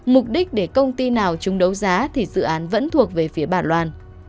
mục đích để công ty nào chung đấu giá thì dự án vẫn thuộc về phía bản loan